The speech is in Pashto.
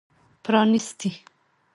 پرانیستي